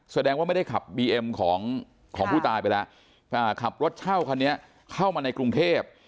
แสดงว่าไม่ได้ขับบีเอ็มของของผู้ตายไปแล้วขับรถเช่าคันนี้เข้ามาในกรุงเทพ